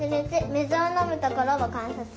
みずをのむところをかんさつ。